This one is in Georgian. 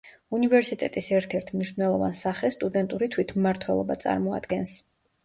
უნივერსიტეტის ერთ-ერთ მნიშვნელოვან სახეს სტუდენტური თვითმმართველობა წარმოადგენს.